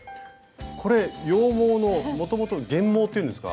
これ羊毛のもともと原毛っていうんですか？